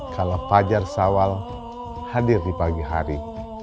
kalau fajar sawal hadir di pagi hari